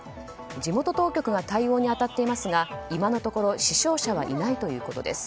地元当局が対応に当たっていますが今のところ死傷者はいないということです。